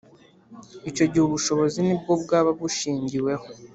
Icyo gihe ubushobozi ni bwo bwaba bushingiweho.